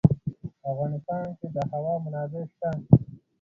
په افغانستان کې د هوا منابع شته.